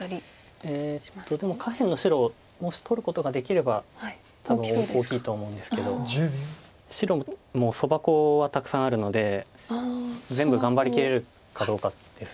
えっとでも下辺の白をもし取ることができれば多分大きいと思うんですけど白もソバコウはたくさんあるので全部頑張りきれるかどうかです。